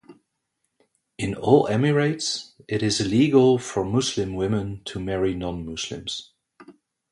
In all emirates, it is illegal for Muslim women to marry non-Muslims.